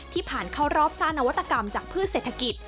ผ่านเข้ารอบสร้างนวัตกรรมจากพืชเศรษฐกิจ